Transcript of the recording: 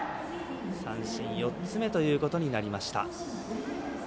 三振、４つ目ということになりました。